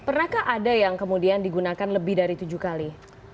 pernahkah ada yang kemudian digunakan lebih dari tujuh kali